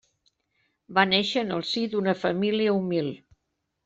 Va néixer en el si d'una família humil.